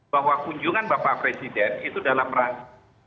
bahwa kunjungan bapak presiden itu dalam rangka